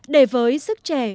để với sức trẻ